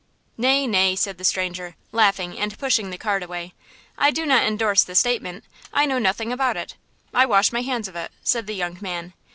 "Nay, nay," said the stranger, laughing and pushing the card away. "I do not endorse the statement–I know nothing about it! I wash my hands of it," said the young man.